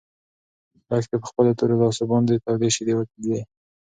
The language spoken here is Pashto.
لښتې په خپلو تورو لاسو باندې تودې شيدې ولیدې.